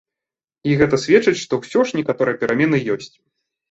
І гэта сведчыць, што ўсё ж некаторыя перамены ёсць.